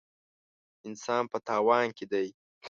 انسان په تاوان کې دی.